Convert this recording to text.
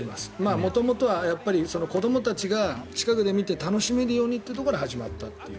元々は子どもたちが近くで見て楽しめるようにというところから始まったという。